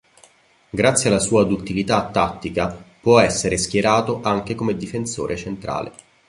Grazie alla sua duttilità tattica può essere schierato anche come difensore centrale.